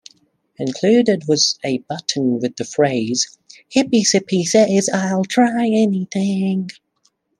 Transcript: Included was a button with the phrase Hippy Sippy says I'll try anything!